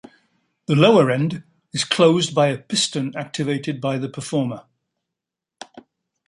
The lower end is closed by a piston activated by the performer.